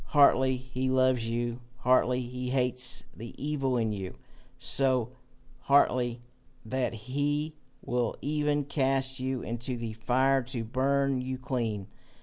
Heartily he loves you, heartily he hates the evil in you so heartily that he will even cast you into the fire to burn you clean.